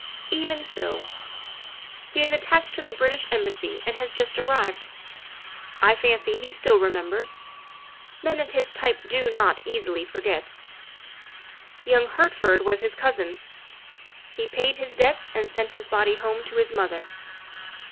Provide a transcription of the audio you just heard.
" Even so. He is attached to the British Embassy and has just arrived. I fancy he still remembers; men of his type do not forget easily. Young Hertford was his cousin ; he paid his debts and sent his body home to his mother.